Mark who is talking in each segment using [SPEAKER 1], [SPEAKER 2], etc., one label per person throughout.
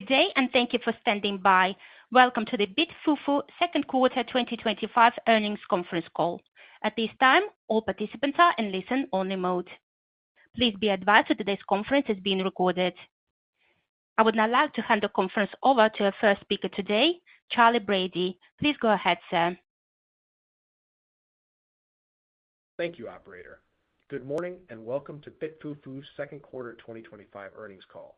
[SPEAKER 1] Today, and thank you for standing by. Welcome to the BitFuFu Second Quarter 2025 Earnings Conference Call. At this time, all participants are in listen-only mode. Please be advised that today's conference is being recorded. I would now like to hand the conference over to our first speaker today, Charlie Brady. Please go ahead, sir.
[SPEAKER 2] Thank you, operator. Good morning and welcome to BitFuFu's Second Quarter 2025 Earnings Call.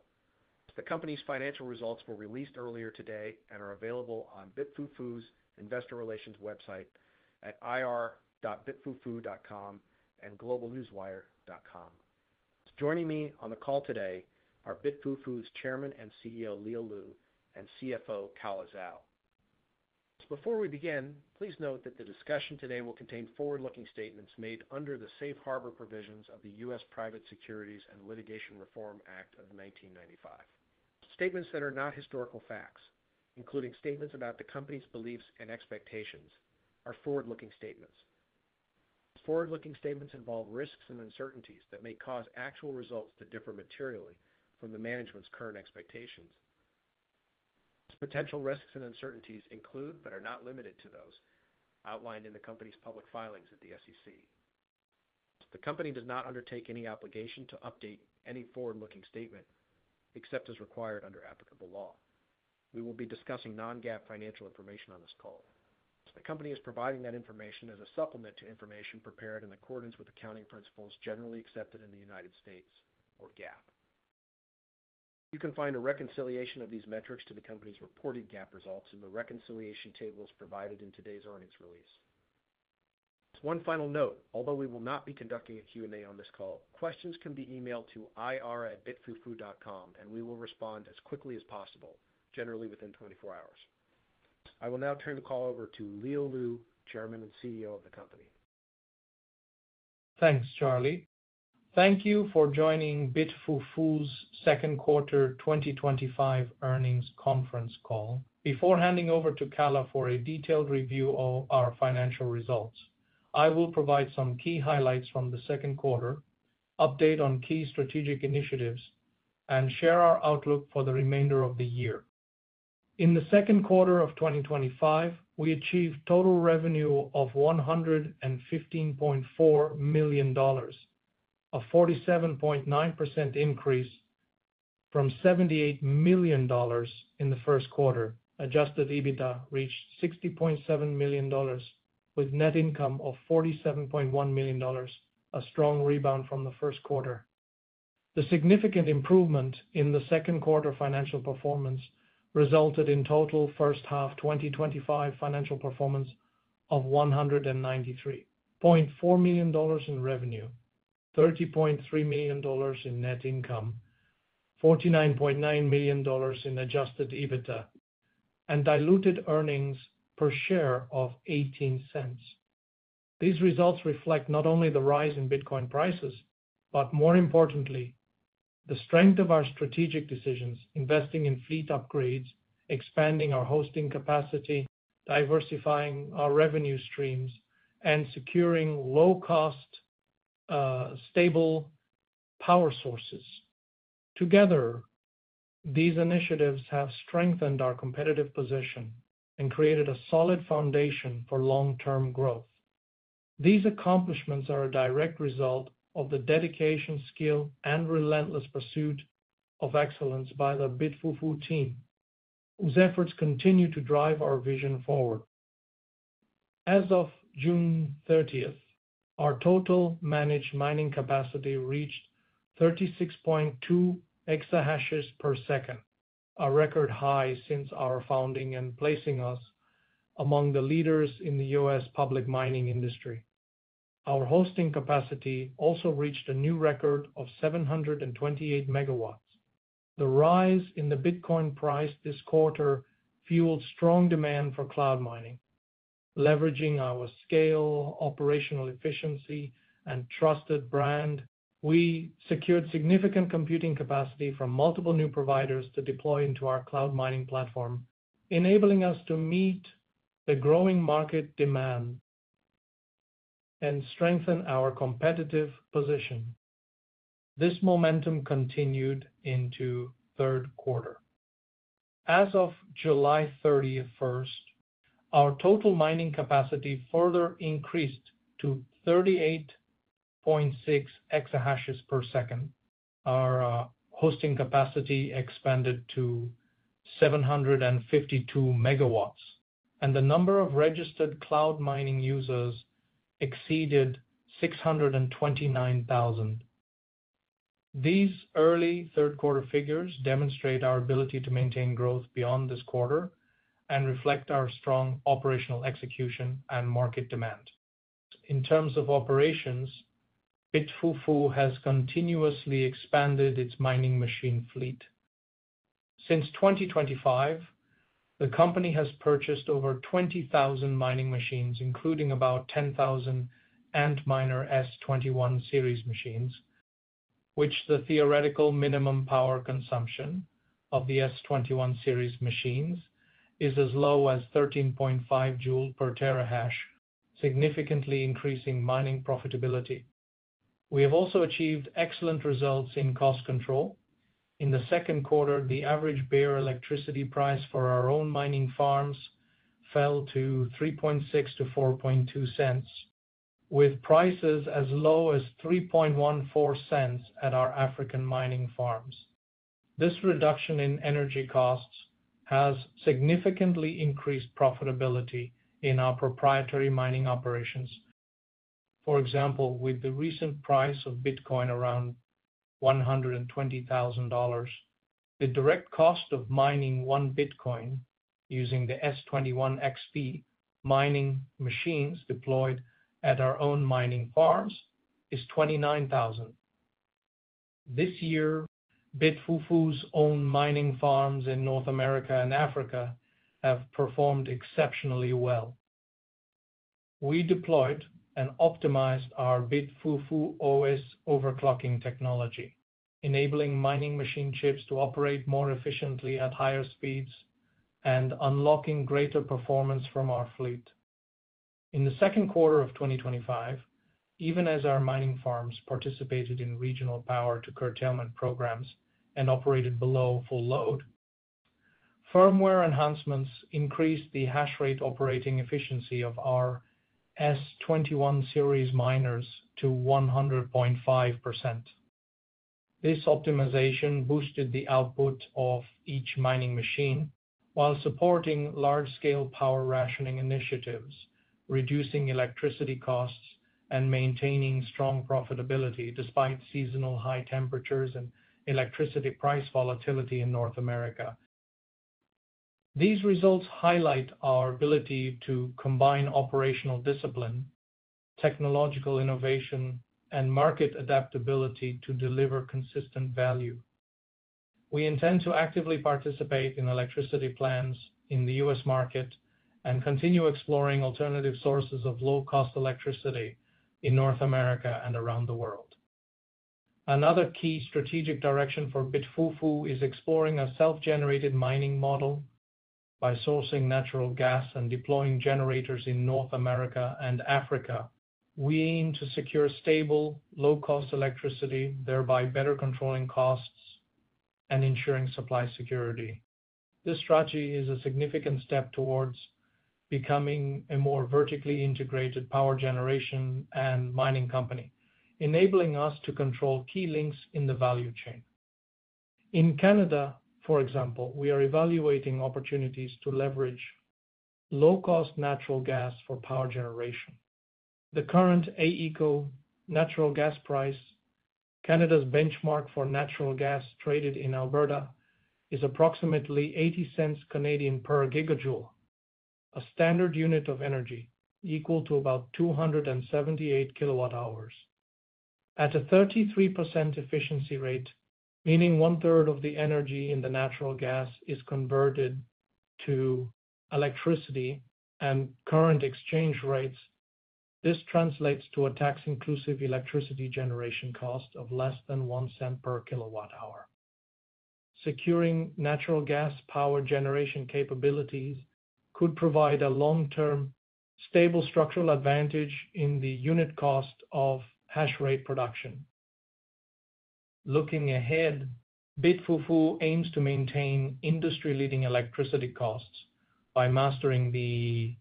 [SPEAKER 2] The company's financial results were released earlier today and are available on BitFuFu's investor relations website at ir.bitfufu.com and globalnews.wire.com. Joining me on the call today are BitFuFu's Chairman and CEO, Leo Lu, and CFO, Calla Zhao. Before we begin, please note that the discussion today will contain forward-looking statements made under the Safe Harbor provisions of the U.S. Private Securities and Litigation Reform Act of 1995. Statements that are not historical facts, including statements about the company's beliefs and expectations, are forward-looking statements. Forward-looking statements involve risks and uncertainties that may cause actual results to differ materially from the management's current expectations. Potential risks and uncertainties include, but are not limited to, those outlined in the company's public filings at the SEC. The company does not undertake any obligation to update any forward-looking statement except as required under applicable law. We will be discussing non-GAAP financial information on this call. The company is providing that information as a supplement to information prepared in accordance with accounting principles generally accepted in the United States, or GAAP. You can find a reconciliation of these metrics to the company's reported GAAP results in the reconciliation tables provided in today's earnings release. One final note: although we will not be conducting a Q&A on this call, questions can be emailed to ir@bitfufu.com and we will respond as quickly as possible, generally within 24 hours. I will now turn the call over to Leo Lu, Chairman and CEO of the company.
[SPEAKER 3] Thanks, Charlie. Thank you for joining BitFuFu's Second Quarter 2025 Earnings Conference call. Before handing over to Calla for a detailed review of our financial results, I will provide some key highlights from the second quarter, update on key strategic initiatives, and share our outlook for the remainder of the year. In the second quarter of 2025, we achieved total revenue of $115.4 million, a 47.9% increase from $78 million in the first quarter. Adjusted EBITDA reached $60.7 million, with net income of $47.1 million, a strong rebound from the first quarter. The significant improvement in the second quarter financial performance resulted in total first half 2025 financial performance of $193.4 million in revenue, $30.3 million in net income, $49.9 million in adjusted EBITDA, and diluted earnings per share of $0.18. These results reflect not only the rise in Bitcoin prices, but more importantly, the strength of our strategic decisions: investing in fleet upgrades, expanding our hosting capacity, diversifying our revenue streams, and securing low-cost, stable power sources. Together, these initiatives have strengthened our competitive position and created a solid foundation for long-term growth. These accomplishments are a direct result of the dedication, skill, and relentless pursuit of excellence by the BitFuFu team, whose efforts continue to drive our vision forward. As of June 30, our total managed mining capacity reached 36.2 exahashes per second, a record high since our founding and placing us among the leaders in the U.S. public mining industry. Our hosting capacity also reached a new record of 728 megawatts. The rise in the Bitcoin price this quarter fueled strong demand for cloud mining. Leveraging our scale, operational efficiency, and trusted brand, we secured significant computing capacity from multiple new providers to deploy into our cloud mining platform, enabling us to meet the growing market demand and strengthen our competitive position. This momentum continued into the third quarter. As of July 31, our total mining capacity further increased to 38.6 exahashes per second. Our hosting capacity expanded to 752 megawatts, and the number of registered cloud mining users exceeded 629,000. These early third-quarter figures demonstrate our ability to maintain growth beyond this quarter and reflect our strong operational execution and market demand. In terms of operations, BitFuFu has continuously expanded its mining machine fleet. Since 2025, the company has purchased over 20,000 mining machines, including about 10,000 Antminer S21 series machines, which the theoretical minimum power consumption of the S21 series machines is as low as 13.5 joules per terahash, significantly increasing mining profitability. We have also achieved excellent results in cost control. In the second quarter, the average bare electricity price for our own mining farms fell to $0.036 to $0.042, with prices as low as $0.0314 at our African mining farms. This reduction in energy costs has significantly increased profitability in our proprietary mining operations. For example, with the recent price of Bitcoin around $120,000, the direct cost of mining one Bitcoin using the S21 XP mining machines deployed at our own mining farms is $29,000. This year, BitFuFu's own mining farms in North America and Africa have performed exceptionally well. We deployed and optimized our BitFuFu OS overclocking technology, enabling mining machine chips to operate more efficiently at higher speeds and unlocking greater performance from our fleet. In the second quarter of 2025, even as our mining farms participated in regional power-to-curtailment programs and operated below full load, firmware enhancements increased the hash rate operating efficiency of our S21 series miners to 100.5%. This optimization boosted the output of each mining machine while supporting large-scale power rationing initiatives, reducing electricity costs, and maintaining strong profitability despite seasonal high temperatures and electricity price volatility in North America. These results highlight our ability to combine operational discipline, technological innovation, and market adaptability to deliver consistent value. We intend to actively participate in electricity plans in the U.S. market and continue exploring alternative sources of low-cost electricity in North America and around the world. Another key strategic direction for BitFuFu is exploring a self-generated mining model by sourcing natural gas and deploying generators in North America and Africa. We aim to secure stable, low-cost electricity, thereby better controlling costs and ensuring supply security. This strategy is a significant step towards becoming a more vertically integrated power generation and mining company, enabling us to control key links in the value chain. In Canada, for example, we are evaluating opportunities to leverage low-cost natural gas for power generation. The current AECO natural gas price, Canada's benchmark for natural gas traded in Alberta, is approximately $0.80 Canadian per gigajoule, a standard unit of energy equal to about 278 kilowatt-hours. At a 33% efficiency rate, meaning one-third of the energy in the natural gas is converted to electricity and current exchange rates, this translates to a tax-inclusive electricity generation cost of less than $0.01 per kilowatt-hour. Securing natural gas power generation capabilities could provide a long-term, stable structural advantage in the unit cost of hash rate production. Looking ahead, BitFuFu aims to maintain industry-leading electricity costs by mastering the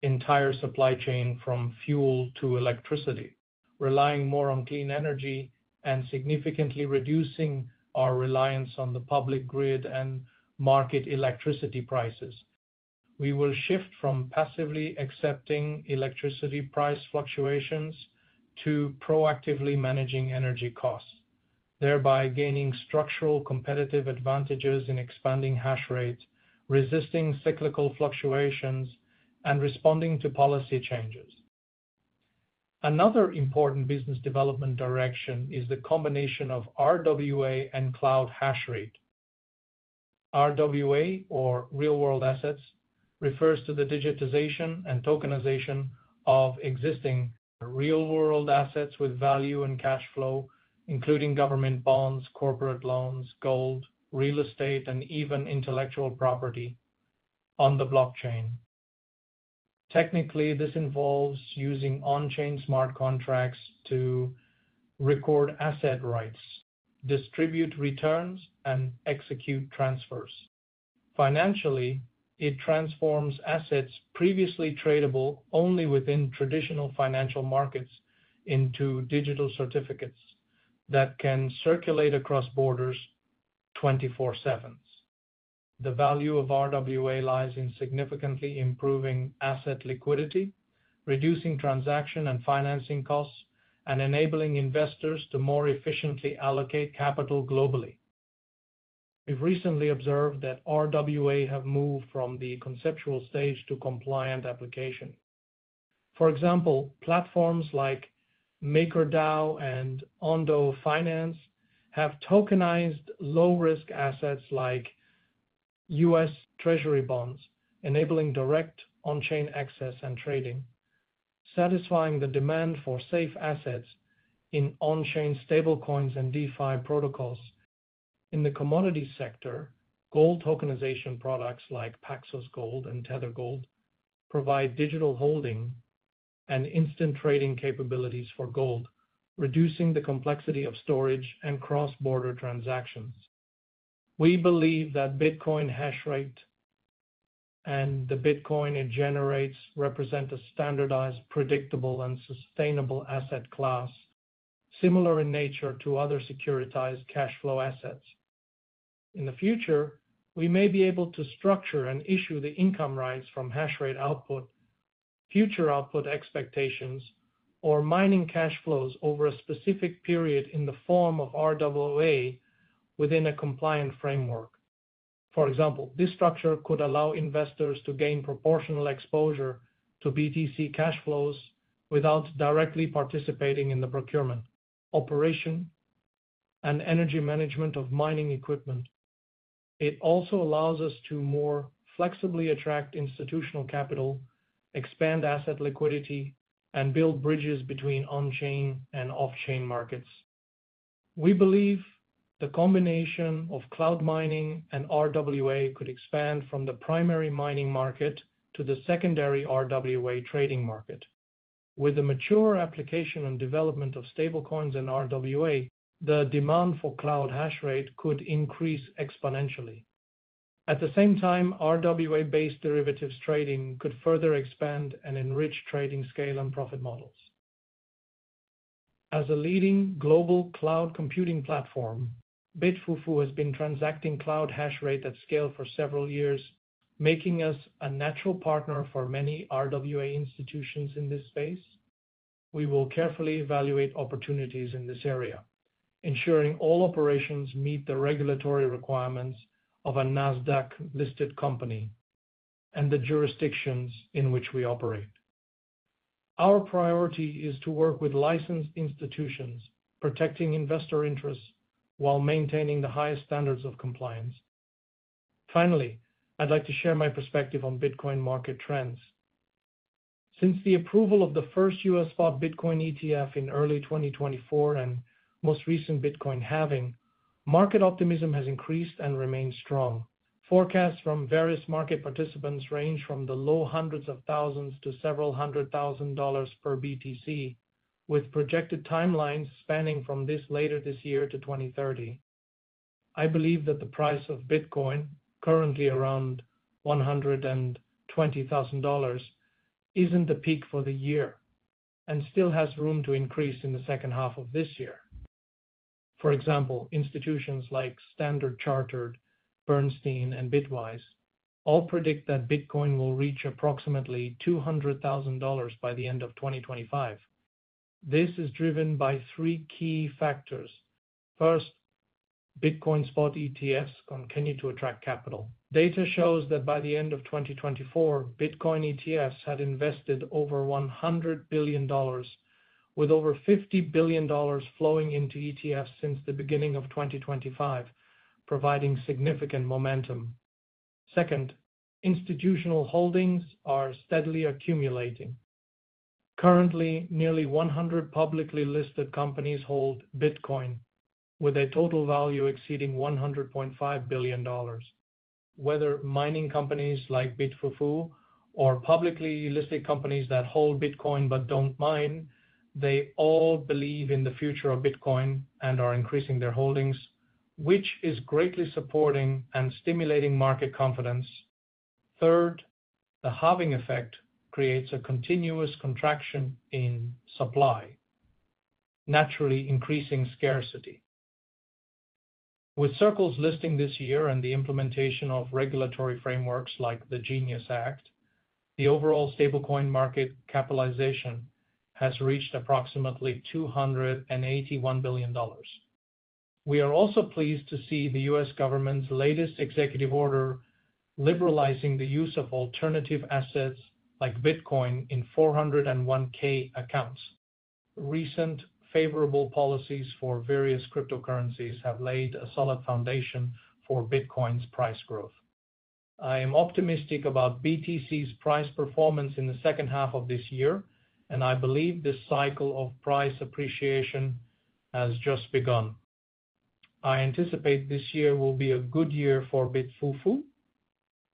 [SPEAKER 3] entire supply chain from fuel to electricity, relying more on clean energy and significantly reducing our reliance on the public grid and market electricity prices. We will shift from passively accepting electricity price fluctuations to proactively managing energy costs, thereby gaining structural competitive advantages in expanding hash rates, resisting cyclical fluctuations, and responding to policy changes. Another important business development direction is the combination of Real-World Assets (RWA) and cloud hash rate. RWA, or Real-World Assets, refers to the digitization and tokenization of existing real-world assets with value and cash flow, including government bonds, corporate loans, gold, real estate, and even intellectual property on the blockchain. Technically, this involves using on-chain smart contracts to record asset rights, distribute returns, and execute transfers. Financially, it transforms assets previously tradable only within traditional financial markets into digital certificates that can circulate across borders 24/7. The value of RWA lies in significantly improving asset liquidity, reducing transaction and financing costs, and enabling investors to more efficiently allocate capital globally. We've recently observed that RWA have moved from the conceptual stage to compliant application. For example, platforms like MakerDAO and Ondo Finance have tokenized low-risk assets like U.S. Treasury bonds, enabling direct on-chain access and trading, satisfying the demand for safe assets in on-chain stablecoins and DeFi protocols. In the commodities sector, gold tokenization products like Paxos Gold and Tether Gold provide digital holding and instant trading capabilities for gold, reducing the complexity of storage and cross-border transactions. We believe that Bitcoin hash rate and the Bitcoin it generates represent a standardized, predictable, and sustainable asset class, similar in nature to other securitized cash flow assets. In the future, we may be able to structure and issue the income rights from hash rate output, future output expectations, or mining cash flows over a specific period in the form of RWA within a compliant framework. For example, this structure could allow investors to gain proportional exposure to BTC cash flows without directly participating in the procurement, operation, and energy management of mining equipment. It also allows us to more flexibly attract institutional capital, expand asset liquidity, and build bridges between on-chain and off-chain markets. We believe the combination of cloud mining and RWA could expand from the primary mining market to the secondary RWA trading market. With the mature application and development of stablecoins and RWA, the demand for cloud hash rate could increase exponentially. At the same time, RWA-based derivatives trading could further expand and enrich trading scale and profit models. As a leading global cloud computing platform, BitFuFu has been transacting cloud hash rate at scale for several years, making us a natural partner for many RWA institutions in this space. We will carefully evaluate opportunities in this area, ensuring all operations meet the regulatory requirements of a Nasdaq-listed company and the jurisdictions in which we operate. Our priority is to work with licensed institutions, protecting investor interests while maintaining the highest standards of compliance. Finally, I'd like to share my perspective on Bitcoin market trends. Since the approval of the first U.S. spot Bitcoin ETF in early 2024 and most recent Bitcoin halving, market optimism has increased and remains strong. Forecasts from various market participants range from the low hundreds of thousands to several hundred thousand dollars per BTC, with projected timelines spanning from later this year to 2030. I believe that the price of Bitcoin, currently around $120,000, isn't the peak for the year and still has room to increase in the second half of this year. For example, institutions like Standard Chartered, Bernstein, and Bitwise all predict that Bitcoin will reach approximately $200,000 by the end of 2025. This is driven by three key factors. First, Bitcoin spot ETFs continue to attract capital. Data shows that by the end of 2024, Bitcoin ETFs had invested over $100 billion, with over $50 billion flowing into ETFs since the beginning of 2025, providing significant momentum. Second, institutional holdings are steadily accumulating. Currently, nearly 100 publicly listed companies hold Bitcoin, with a total value exceeding $100.5 billion. Whether mining companies like BitFuFu or publicly listed companies that hold Bitcoin but don't mine, they all believe in the future of Bitcoin and are increasing their holdings, which is greatly supporting and stimulating market confidence. Third, the halving effect creates a continuous contraction in supply, naturally increasing scarcity. With Circles listing this year and the implementation of regulatory frameworks like the GENIUS Act, the overall stablecoin market capitalization has reached approximately $281 billion. We are also pleased to see the U.S. government's latest executive order liberalizing the use of alternative assets like Bitcoin in 401(k) accounts. Recent favorable policies for various cryptocurrencies have laid a solid foundation for Bitcoin's price growth. I am optimistic about BTC's price performance in the second half of this year, and I believe this cycle of price appreciation has just begun. I anticipate this year will be a good year for BitFuFu,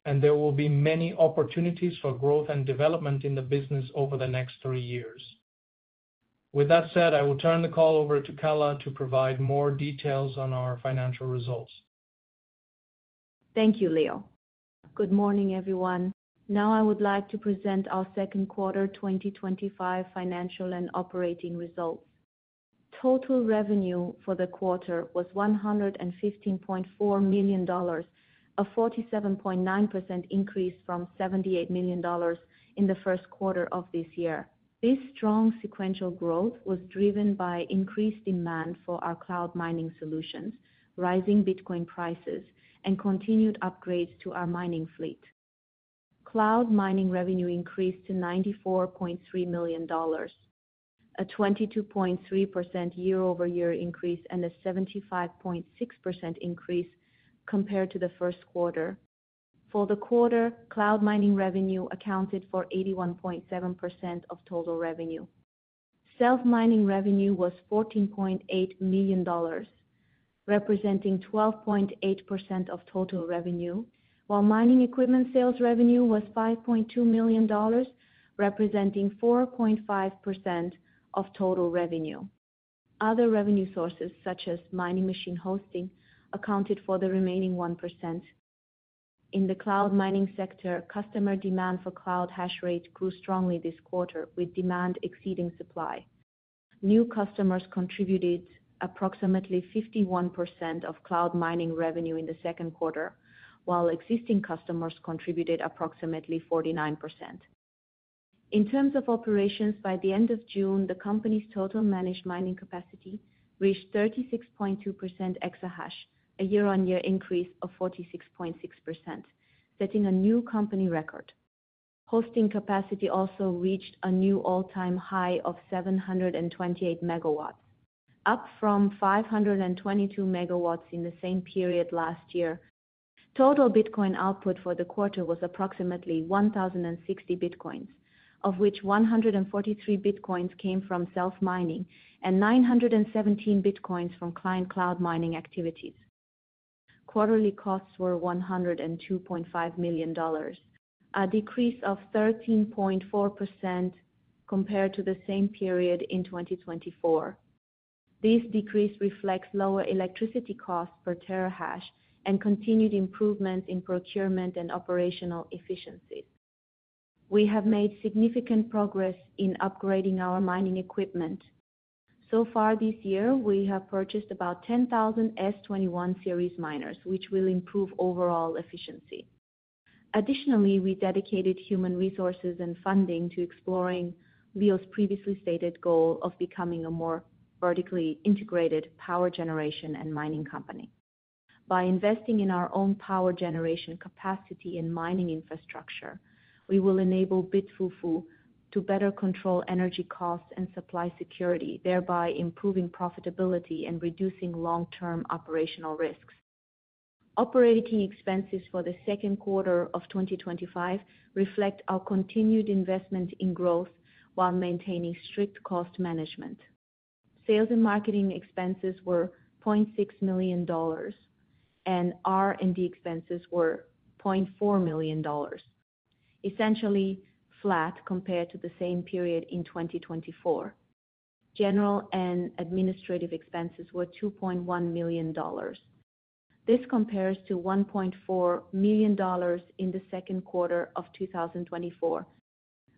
[SPEAKER 3] and there will be many opportunities for growth and development in the business over the next three years. With that said, I will turn the call over to Calla to provide more details on our financial results.
[SPEAKER 4] Thank you, Leo. Good morning, everyone. Now I would like to present our second quarter 2025 financial and operating results. Total revenue for the quarter was $115.4 million, a 47.9% increase from $78 million in the first quarter of this year. This strong sequential growth was driven by increased demand for our cloud mining solutions, rising Bitcoin prices, and continued upgrades to our mining fleet. Cloud mining revenue increased to $94.3 million, a 22.3% year-over-year increase and a 75.6% increase compared to the first quarter. For the quarter, cloud mining revenue accounted for 81.7% of total revenue. Self-mining revenue was $14.8 million, representing 12.8% of total revenue, while mining equipment sales revenue was $5.2 million, representing 4.5% of total revenue. Other revenue sources, such as mining machine hosting, accounted for the remaining 1%. In the cloud mining sector, customer demand for cloud hash rate grew strongly this quarter, with demand exceeding supply. New customers contributed approximately 51% of cloud mining revenue in the second quarter, while existing customers contributed approximately 49%. In terms of operations, by the end of June, the company's total managed mining capacity reached 36.2 exahashes per second, a year-on-year increase of 46.6%, setting a new company record. Hosting capacity also reached a new all-time high of 728 megawatts, up from 522 megawatts in the same period last year. Total Bitcoin output for the quarter was approximately 1,060 Bitcoins, of which 143 Bitcoins came from self-mining and 917 Bitcoins from client cloud mining activities. Quarterly costs were $102.5 million, a decrease of 13.4% compared to the same period in 2024. This decrease reflects lower electricity costs per terahash and continued improvements in procurement and operational efficiency. We have made significant progress in upgrading our mining equipment. So far this year, we have purchased about 10,000 Antminer S21 series miners, which will improve overall efficiency. Additionally, we dedicated human resources and funding to exploring Leo's previously stated goal of becoming a more vertically integrated power generation and mining company. By investing in our own power generation capacity and mining infrastructure, we will enable BitFuFu to better control energy costs and supply security, thereby improving profitability and reducing long-term operational risks. Operating expenses for the second quarter of 2025 reflect our continued investment in growth while maintaining strict cost management. Sales and marketing expenses were $0.6 million, and R&D expenses were $0.4 million, essentially flat compared to the same period in 2024. General and administrative expenses were $2.1 million. This compares to $1.4 million in the second quarter of 2024.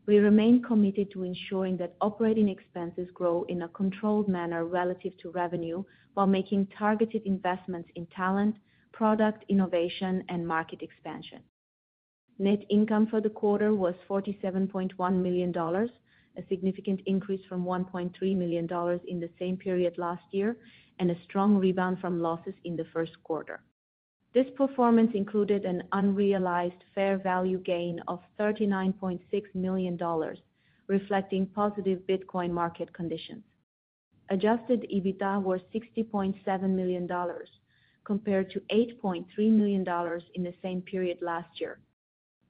[SPEAKER 4] We remain committed to ensuring that operating expenses grow in a controlled manner relative to revenue, while making targeted investments in talent, product innovation, and market expansion. Net income for the quarter was $47.1 million, a significant increase from $1.3 million in the same period last year, and a strong rebound from losses in the first quarter. This performance included an unrealized fair value gain of $39.6 million, reflecting positive Bitcoin market conditions. Adjusted EBITDA was $60.7 million, compared to $8.3 million in the same period last year.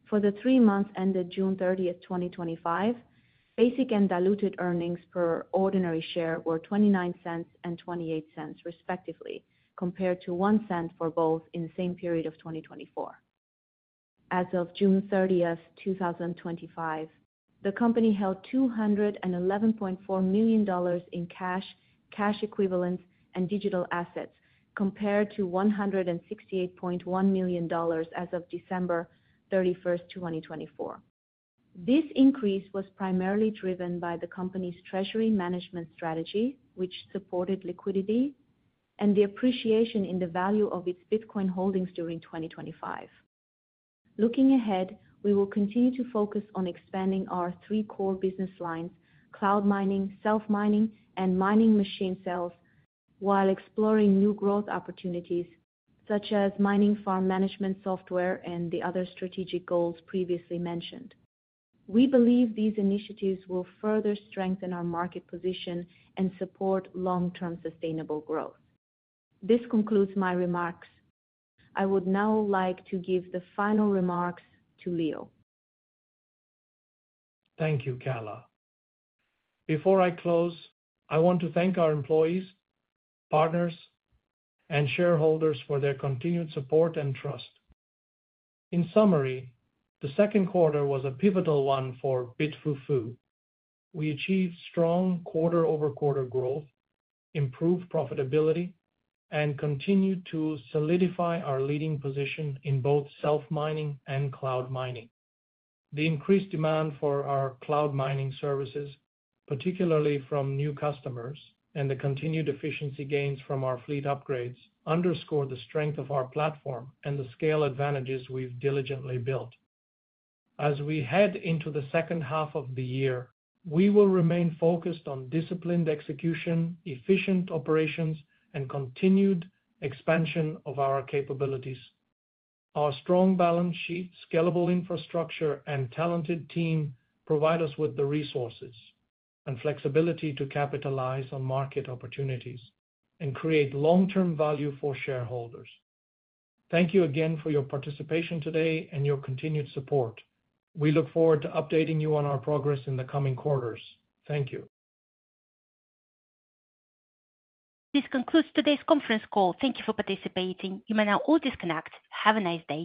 [SPEAKER 4] For the three months ended June 30, 2025, basic and diluted earnings per ordinary share were $0.29 and $0.28, respectively, compared to $0.01 for both in the same period of 2024. As of June 30, 2025, the company held $211.4 million in cash, cash equivalents, and digital assets, compared to $168.1 million as of December 31, 2024. This increase was primarily driven by the company's treasury management strategy, which supported liquidity, and the appreciation in the value of its Bitcoin holdings during 2025. Looking ahead, we will continue to focus on expanding our three core business lines: cloud mining, self-mining, and mining machine sales, while exploring new growth opportunities, such as mining farm management software and the other strategic goals previously mentioned. We believe these initiatives will further strengthen our market position and support long-term sustainable growth. This concludes my remarks. I would now like to give the final remarks to Leo.
[SPEAKER 3] Thank you, Calla. Before I close, I want to thank our employees, partners, and shareholders for their continued support and trust. In summary, the second quarter was a pivotal one for BitFuFu. We achieved strong quarter-over-quarter growth, improved profitability, and continued to solidify our leading position in both self-mining and cloud mining. The increased demand for our cloud mining services, particularly from new customers, and the continued efficiency gains from our fleet upgrades underscore the strength of our platform and the scale advantages we've diligently built. As we head into the second half of the year, we will remain focused on disciplined execution, efficient operations, and continued expansion of our capabilities. Our strong balance sheet, scalable infrastructure, and talented team provide us with the resources and flexibility to capitalize on market opportunities and create long-term value for shareholders. Thank you again for your participation today and your continued support. We look forward to updating you on our progress in the coming quarters. Thank you.
[SPEAKER 1] This concludes today's conference call. Thank you for participating. You may now all disconnect. Have a nice day.